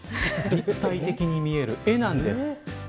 立体的に見える絵なんです。